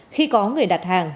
khi có người đặt hàng